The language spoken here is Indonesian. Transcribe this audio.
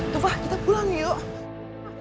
tufa kita pulang yuk